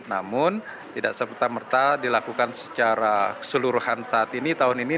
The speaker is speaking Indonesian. namun tidak serta merta dilakukan secara keseluruhan saat ini tahun ini